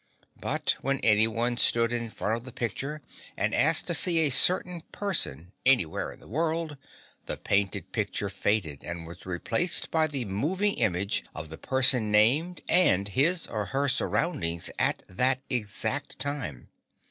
But when anyone stood in front of the picture and asked to see a certain person anywhere in the world the painted picture faded and was replaced by the moving image of the person named and his or her surroundings at that exact time.